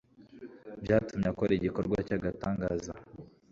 byatumye akora igikorwa cy'agatangaza.